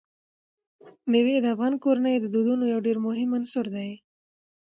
مېوې د افغان کورنیو د دودونو یو ډېر مهم عنصر دی.